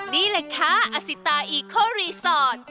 นี่แหละค่ะอสิตาอีโครีสอร์ท